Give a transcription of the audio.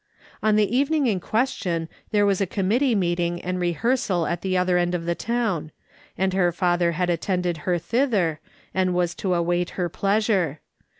On the evening in question there was a committee meeting and rehearsal at the other end of the town, and her father had attended her thither, and was to await her pleasure.